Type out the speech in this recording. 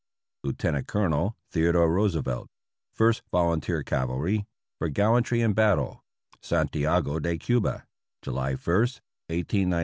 Lietenant Colonel Theodore Roosevelt, First Volunteer Cavalry, for gallantry in battle, Santiago de Cuba, July i , 1898.